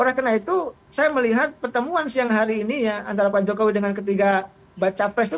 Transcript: hai saya melihat pertemuan siang hari ini ya antara pak jokowi dengan ketiga baca pres itu